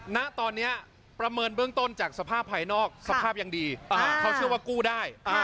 ณตอนนี้ประเมินเบื้องต้นจากสภาพภายนอกสภาพยังดีเขาเชื่อว่ากู้ได้